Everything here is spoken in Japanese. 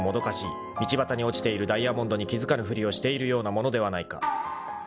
［道端に落ちているダイヤモンドに気付かぬふりをしているようなものではないか］